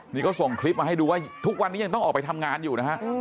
นี่ก็ส่งคลิปมาให้ดูว่าทุกวันนี้ยังต้องออกไปทำงานอยู่นะฮะ